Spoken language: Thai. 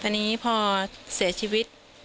อันนี้พอเสียชีวิต